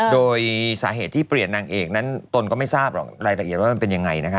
โดยสาเหตุที่เปลี่ยนนางเอกนั้นตนก็ไม่ทราบหรอกรายละเอียดว่ามันเป็นยังไงนะคะ